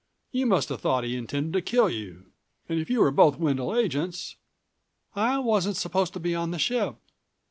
You must have thought he intended to kill you. And if you were both Wendel agents " "I wasn't supposed to be on the ship.